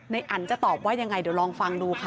อันจะตอบว่ายังไงเดี๋ยวลองฟังดูค่ะ